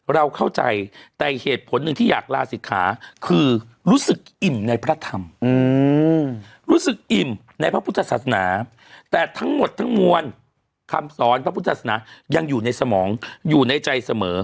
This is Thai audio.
เราเข้าใจแต่เหตุผลหนึ่งที่อยากลาศิกขาคือรู้สึกอิ่มในพระธรรมรู้สึกอิ่มในพระพุทธศาสนาแต่ทั้งหมดทั้งมวลคำสอนพระพุทธศาสนายังอยู่ในสมองอยู่ในใจเสมอ